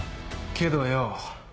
けどよ